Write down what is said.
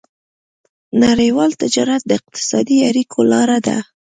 نړيوال تجارت د اقتصادي اړیکو لاره ده.